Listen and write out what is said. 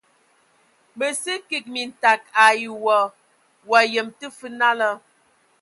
Mə sə kig mintag ai wa, wa yəm tə fə nala.